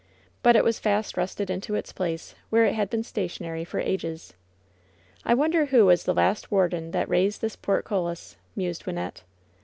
But it was fast rusted into its place, where it had been sta tionary for ages. "I wonder who was the last warder that raised this portcullis?" mused Wynnette.